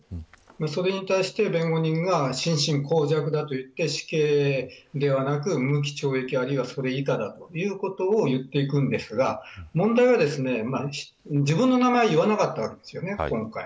それに対して弁護人が心神耗弱だと言って死刑ではなく無期懲役あるいはそれ以下だということを言ってくるんですが問題は自分の名前を言わなかったんですよね、今回。